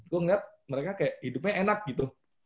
gue ngeliat mereka kayak hidupnya enak gitu